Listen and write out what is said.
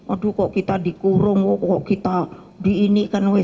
aduh kok kita dikurung kok kita diinikan